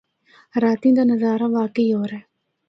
راتیں دا نظارہ واقعی ہور اے۔